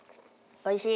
おいしい。